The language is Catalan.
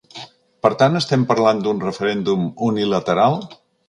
Per tant estem parlant d’un referèndum unilateral?